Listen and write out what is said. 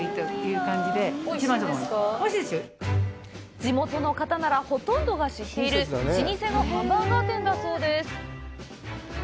地元の方なら、ほとんどが知っている老舗のハンバーガー店だそうです。